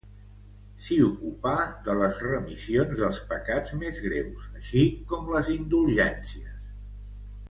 S'hi ocupà de la remissió dels pecats més greus, així com les indulgències.